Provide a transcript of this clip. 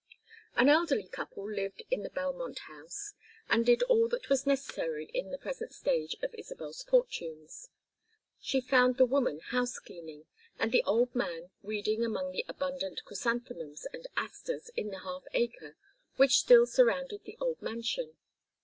An elderly couple lived in the "Belmont House" and did all that was necessary in the present stage of Isabel's fortunes. She found the woman house cleaning and the old man weeding among the abundant crysanthemums and asters in the half acre which still surrounded the old mansion.